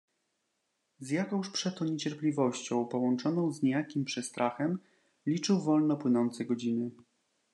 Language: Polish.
"Z jakąż przeto niecierpliwością, połączoną z niejakim przestrachem, liczył wolno płynące godziny."